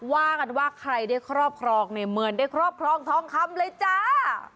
ว่ากันว่าใครได้ครอบครองเนี่ยเหมือนได้ครอบครองทองคำเลยจ้า